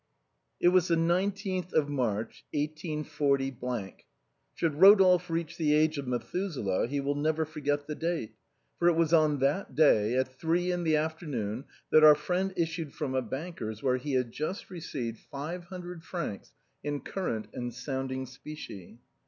It was the nineteenth of March, 184 —. Should Ro dolphe reach the age of Methuselah, he will never forget the date; for it was on that day, at three in the afternoon, that our friend issued from a banker's where he had just received five hundred francs in current and sounding specie.